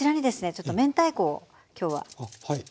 ちょっと明太子を今日は。